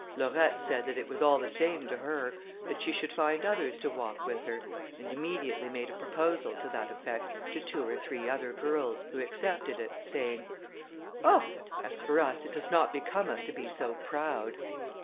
Laurette said that it was all the same to her, that she should find others to walk with her, and immediately made a proposal to that effect to two or three other girls, who accepted it, saying, "Oh! as for us, it does not become us to be so proud."